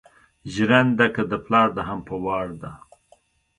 ژېرنده که ده پلار ده هم په وار ده